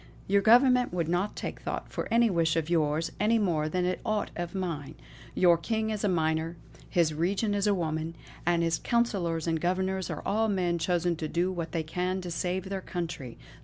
Your Government would not take thought for any wish of yours, any more than for aught of mine. Your King is a minor; his regent is a woman, and his councillors and governors are all men chosen to do what they can to save their country.